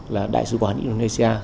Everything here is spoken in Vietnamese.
là đại sứ quán indonesia